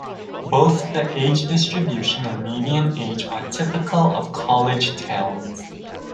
Both the age distribution and median age are typical of college towns.